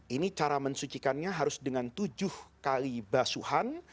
ini cara mensucikannya harus dengan tujuh kali basuhan